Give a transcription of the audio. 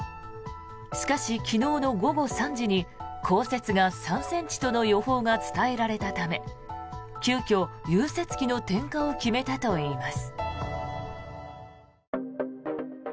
しかし、昨日の午後３時に降雪が３ｃｍとの予報が伝えられたため急きょ、融雪機の点火を決めたといいます。